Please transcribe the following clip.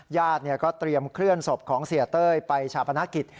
ญาติก็เตรียมเคลื่อนศพของเสียเต้ยไปชาปนกิจ